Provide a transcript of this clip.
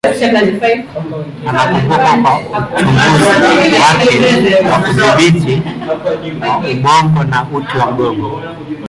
Anakumbukwa kwa uchunguzi wake wa hadubini wa ubongo na uti wa mgongo.